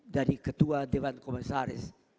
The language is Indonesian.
dari ketua dewan komisaris